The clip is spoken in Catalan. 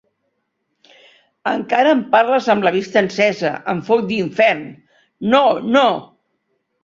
Encara en parles amb la vista encesa, en foc d’infern! No, no!